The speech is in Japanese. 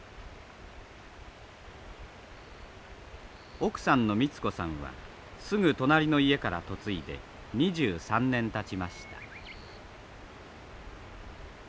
奥さんの光子さんはすぐ隣の家から嫁いで２３年たちました。